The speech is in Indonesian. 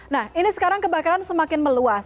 nah ini sekarang kebakaran semakin meluas